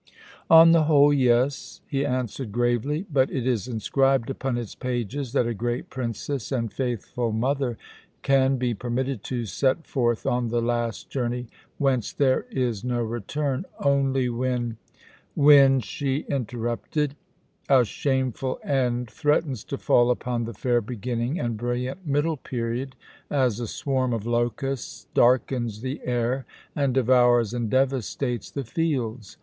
"On the whole, yes," he answered gravely. "But it is inscribed upon its pages that a great princess and faithful mother can be permitted to set forth on the last journey, whence there is no return, only when " "When," she interrupted, "a shameful end threatens to fall upon the fair beginning and brilliant middle period, as a swarm of locusts darkens the air and devours and devastates the fields.